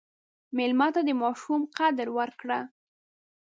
مېلمه ته د ماشوم قدر ورکړه.